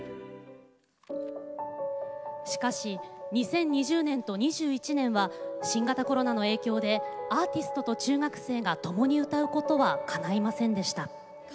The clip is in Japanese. しかし２０２０年と２１年は新型コロナの影響でアーティストと中学生がともに歌うことはかないませんでした。